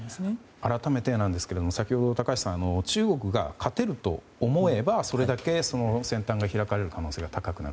改めてですが先ほど、高橋さんは中国が勝てると思えばそれだけ戦端が開かれる可能性が高くなる。